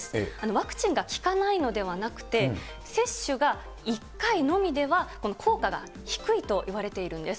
ワクチンが効かないのではなくて、接種が１回のみでは効果が低いといわれているんです。